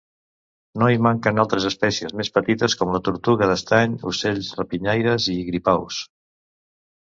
No hi manquen altres espècies més petites com la tortuga d'estany, ocells rapinyaires i gripaus.